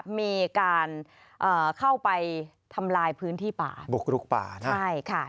มีการเข้าไปทำลายพื้นที่ป่าบุรุกป่า